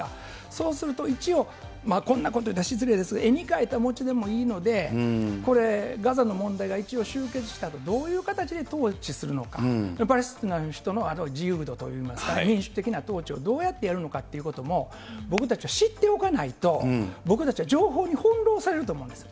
そうすると、一応、こんなこと言うたら失礼ですが、絵に描いた餅でもいいので、ガザの問題が一応終結したあと、どういう形で統治するのか、パレスチナの人たちの自由度といいますか、民主的な統治をどうやってやるのかということも、僕たちは知っておかないと、僕たちは情報に翻弄されると思うんです。